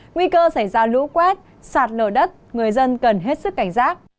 nguy cơ xảy ra lũ quét sạt lở đất người dân cần hết sức cảnh giác